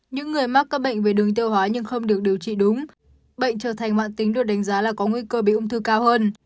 những người mắc các bệnh về đường tiêu hóa nhưng không được điều trị đúng bệnh trở thành mạng tính được đánh giá là có nguy cơ bị ung thư cao hơn